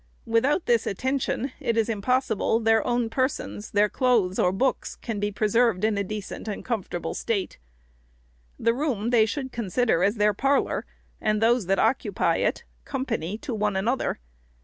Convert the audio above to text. Without this attention, it is impossible their own persons, their clothes, or books, can be preserved in a decent and comfortable state. The room they should consider as their parlor, and those that occupy it, company to one another.